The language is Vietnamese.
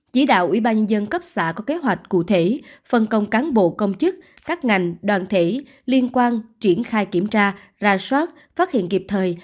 chỉ đạo ủy ban nhân dân cấp xã có kế hoạch cụ thể phân công cán bộ công chức các ngành đoàn thể liên quan triển khai kiểm tra ra soát phát hiện kịp thời